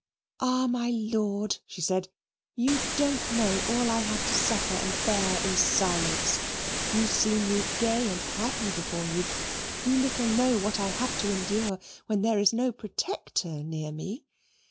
"Ah, my Lord," she said, "you don't know all I have to suffer and bear in silence; you see me gay and happy before you you little know what I have to endure when there is no protector near me.